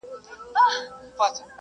ده د سياسي فشار مخه نيوله.